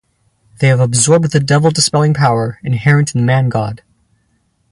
They have absorbed the devil-dispelling power inherent in the man-god.